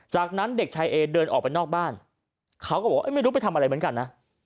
จากนั้นเด็กชายเอเดินออกไปนอกบ้านเขาก็บอกว่าไม่รู้ไปทำอะไรเหมือนกันนะ